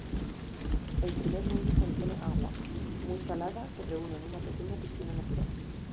El primer muelle contiene agua muy salada que reúne en una pequeña piscina natural.